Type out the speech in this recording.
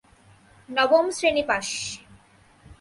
নবম শ্রেনী পাস।